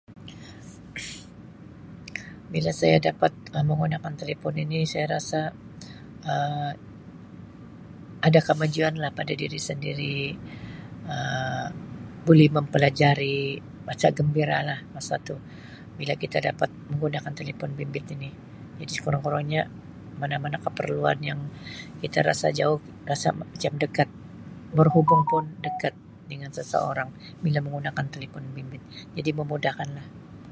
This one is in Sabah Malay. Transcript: Um Bila saya dapat Um menggunakan telepon ini saya rasa Um ada kemajuan lah pada diri sendiri Um buleh mempelajari, Um saya gembira lah masa tu bila kita dapat menggunakan telepon bimbit ini jadi sekurang-kurangnya mana-mana keperluan yang kita rasa jauh rasa macam dekat berhubung pun dekat dengan seseorang bila menggunakan telepon bimbit, jadi memudahkan lah.